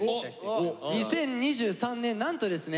２０２３年なんとですね